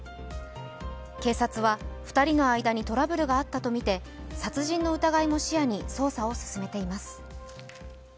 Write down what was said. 警察は２人の間にトラブルがあったとみて殺人の疑いも視野に捜査を進めています。